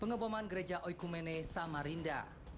pengeboman gereja oikumene samarinda